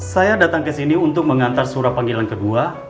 saya datang kesini untuk mengantar surat panggilan kedua